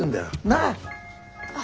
なあ。